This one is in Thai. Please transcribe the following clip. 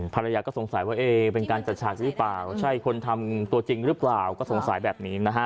ภรรยาก็สงสัยว่าเอ๊เป็นการจัดฉากหรือเปล่าใช่คนทำตัวจริงหรือเปล่าก็สงสัยแบบนี้นะฮะ